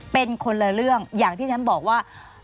เป็นคนละเรื่องอย่างที่ฉันบอกว่า